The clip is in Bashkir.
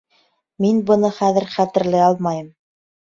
Мин быны хәҙер хәтерләй алмайым